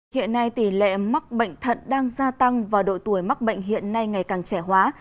hiện nay tỷ lệ mắc bệnh thận đang gia tăng và độ tuổi mắc bệnh hiện nay ngày càng trẻ hóa